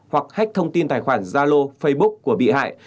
hoặc hách thông tin tài khoản gia lô facebook của bị hại